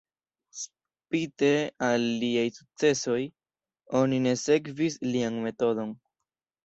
Spite al liaj sukcesoj, oni ne sekvis lian metodon.